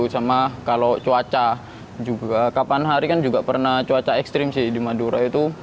sama kalau cuaca juga kapan hari kan juga pernah cuaca ekstrim sih di madura itu